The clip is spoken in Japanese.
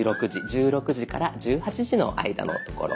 １６時から１８時の間のところです。